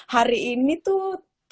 hari ini tuh